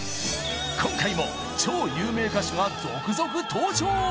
今回も超有名歌手が続々登場！